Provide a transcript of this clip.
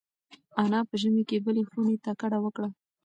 انا په ژمي کې بلې خونې ته کډه وکړه.